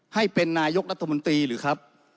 ให้เป็นนายกรัฐมนตรีหรือครับ